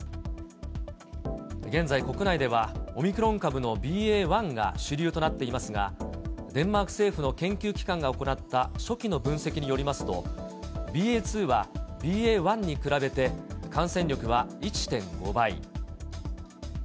現在、国内ではオミクロン株のＢＡ転１が主流となっていますが、デンマーク政府の研究機関が行った初期の分析によりますと、ＢＡ．２は、ＢＡ．１に比べて、感染力は１．５倍。